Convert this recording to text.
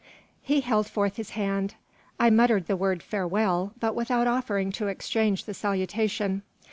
He held forth his hand. I muttered the word "farewell," but without offering to exchange the salutation.